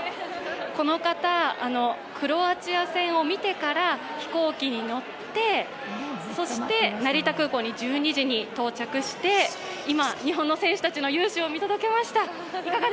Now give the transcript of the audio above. この方、クロアチア戦を見てから飛行機に乗って、そして成田空港に１２時に到着して今、日本の選手たちの雄姿を見届けました。